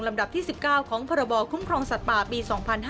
ดับที่๑๙ของพรบคุ้มครองสัตว์ป่าปี๒๕๕๙